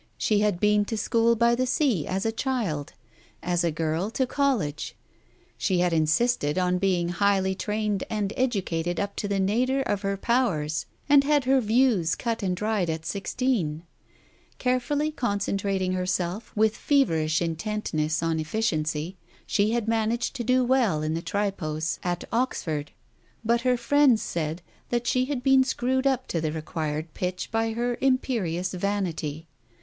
She had been to school by the sea as a child, as a girl to college. She Digitized by Google 236 TALES OF THE UNEASY had insisted on being highly trained and educated up to the nadir of her powers, and had her views cut and dried at sixteen. Carefully concentrating herself, with feverish intentness on efficiency, she had managed to do well in the tripos at Oxford, but her friends said that she had been screwed up to the required pitch by her imperious vanity.